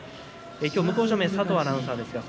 向正面は佐藤アナウンサーです。